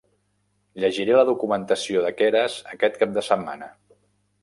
Llegiré la documentació de Keras aquest cap de setmana.